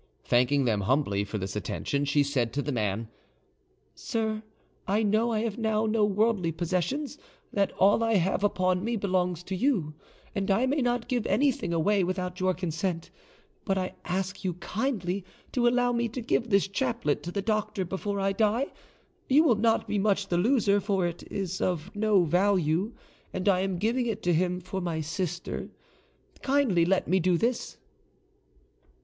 Thanking them humbly for this attention, she said to the man, "Sir, I know I have now no worldly possessions, that all I have upon me belongs to you, and I may not give anything away without your consent; but I ask you kindly to allow me to give this chaplet to the doctor before I die: you will not be much the loser, for it is of no value, and I am giving it to him for my sister. Kindly let me do this."